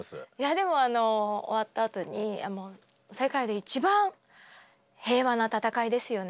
でも終わったあとに「世界で一番平和な戦いですよね」